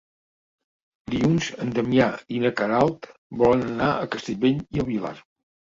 Dilluns en Damià i na Queralt volen anar a Castellbell i el Vilar.